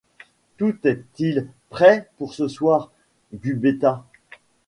Tout est-il prêt pour ce soir, Gubetta?